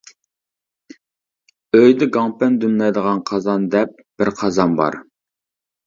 ئۆيدە گاڭپەن دۈملەيدىغان قازان دەپ بىر قازان بار.